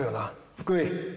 福井。